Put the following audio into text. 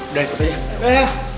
udah ikut aja